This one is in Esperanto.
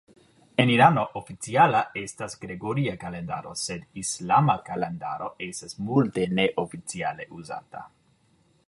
En Irano oficiala estas gregoria kalendaro sed islama kalendaro estas multe neoficiale uzata.